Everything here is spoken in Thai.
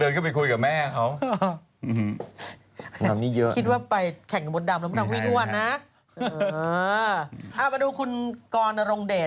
หนึ่งวันบ่ดีใจว่ามาขอออกกำลังกาย